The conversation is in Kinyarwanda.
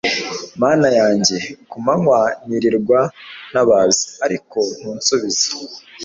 mana yanjye, ku manywa nirirwa ntabaza, ariko ntunsubize